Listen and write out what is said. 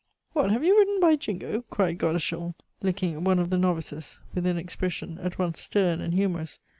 "What! have you written by Jingo?" cried Godeschal, looking at one of the novices, with an expression at once stern and humorous.